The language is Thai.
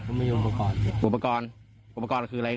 มันมีอุปกรณ์อุปกรณ์อุปกรณ์คืออะไร